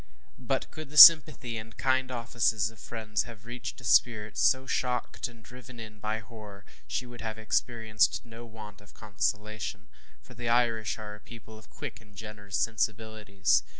But could the sympathy and kind offices of friends have reached a spirit so shocked and driven in by horror, she would have experienced no want of consolation, for the Irish are a people of quick and generous sensibilities.